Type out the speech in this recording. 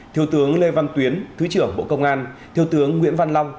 thiếu tướng lê văn tuyến thứ trưởng bộ công an thiếu tướng nguyễn văn long